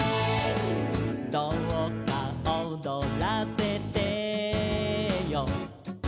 「どうか踊らせてよ」